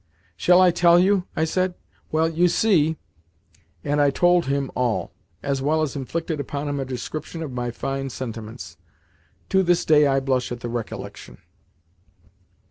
"Shall I tell you?" I said. "Well, you see," and I told him all, as well as inflicted upon him a description of my fine sentiments. To this day I blush at the recollection.